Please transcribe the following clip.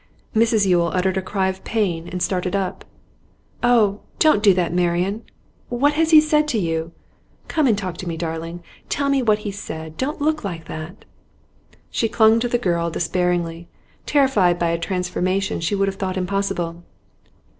Mrs Yule uttered a cry of pain, and started up. 'Oh, don't do that, Marian! What has he said to you? Come and talk to me, darling tell me what he's said don't look like that!' She clung to the girl despairingly, terrified by a transformation she would have thought impossible.